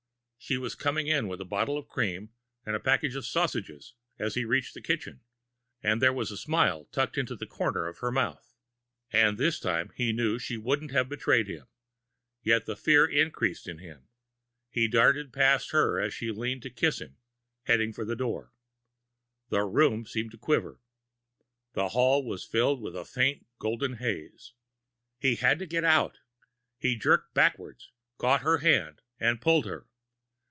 She was coming in with a bottle of cream and a package of sausage as he reached the kitchen, and there was a smile tucked into the corner of her mouth. And this time, he knew she wouldn't have betrayed him. Yet the fear increased in him. He darted past her as she leaned to kiss him, heading for the door. The room seemed to quiver. The hall was filled with a faint golden haze! He had to get out! He jerked backwards, caught her hand, and pulled her.